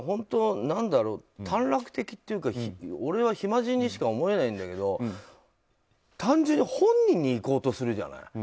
なんだろう、短絡的というか俺は暇人にしか思えないんだけど単純に本人に行こうとするじゃない。